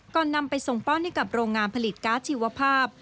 นำไปส่งป้อนให้กับโรงงานผลิตการ์ดชีวภาพ